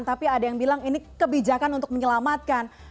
tapi ada yang bilang ini kebijakan untuk menyelamatkan